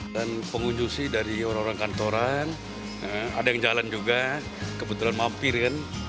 dan pengunjung sih dari orang orang kantoran ada yang jalan juga kebetulan mampir kan